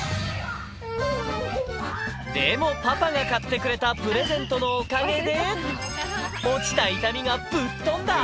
でもパパが買ってくれたプレゼントのおかげで、落ちた痛みがぶっ飛んだ。